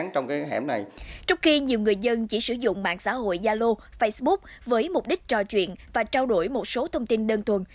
trong khi nhiều người dân chỉ sử dụng mạng xã hội yalo facebook với mục đích trò chuyện và trao đổi một số thông tin đơn thuần